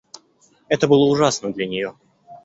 Это было ужасно для нее.